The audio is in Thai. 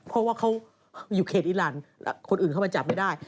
เพราะว่าเขาอยู่เขตอีรานคนอื่นเข้ามาจับไม่ได้